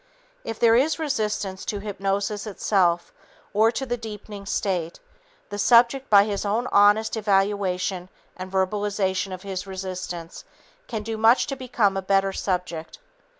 If there is resistance to hypnosis itself or to deepening the state, the subject by his own honest evaluation and verbalization of his resistance can do much to become a better subject.